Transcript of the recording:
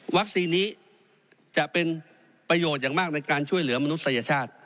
นี้จะเป็นประโยชน์อย่างมากในการช่วยเหลือมนุษยชาติ